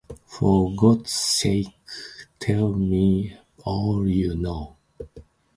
For God's sake tell me all you know.